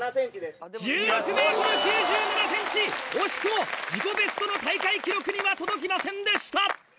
惜しくも自己ベストの大会記録には届きませんでした。